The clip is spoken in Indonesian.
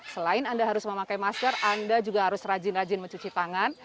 selain anda harus memakai masker anda juga harus rajin rajin mencuci tangan